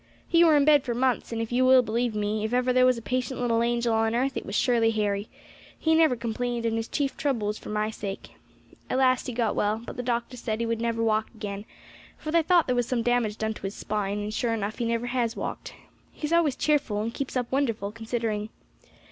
"He were in bed for months, and, if you will believe me, if ever there was a patient little angel on earth, it was surely Harry. He never complained, and his chief trouble was for my sake. At last he got well; but the doctors said he would never walk again, for they thought there was some damage done to his spine; and sure enough he never has walked. He is always cheerful, and keeps up wonderful, considering.